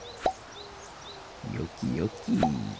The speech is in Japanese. よきよき。